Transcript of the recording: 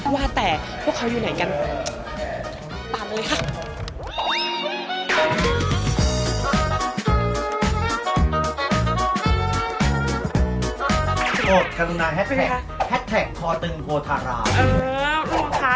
ว่าแต่พวกเขาอยู่ไหนกันตามไปเลยค่ะ